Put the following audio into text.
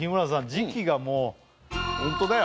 時季がもうホントだよ